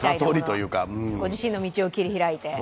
自身の道を切り開いて。